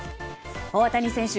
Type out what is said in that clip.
大谷選手